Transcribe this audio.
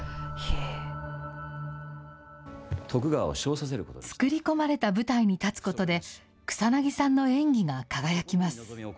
作り込まれた舞台に立つことで、草なぎさんの演技が輝きます。